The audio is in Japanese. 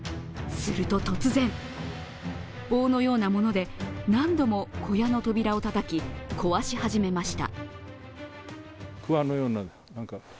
すると、突然、棒のようなもので何度も小屋の扉をたたき壊し始めました。